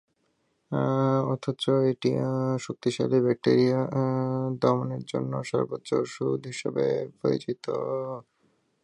অথচ এটি অত্যন্ত শক্তিশালী ব্যাকটেরিয়া দমনের জন্য সর্বশেষ ওষুধ হিসেবে পরিচিত।